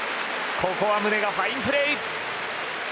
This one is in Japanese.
ここは宗がファインプレー！